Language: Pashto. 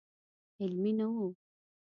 علمي نه و.